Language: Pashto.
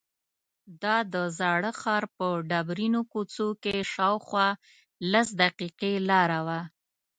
دا د زاړه ښار په ډبرینو کوڅو کې شاوخوا لس دقیقې لاره وه.